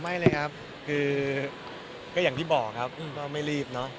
ไม่เลยครับคือก็อย่างที่บอกครับก็ไม่รีบเนอะ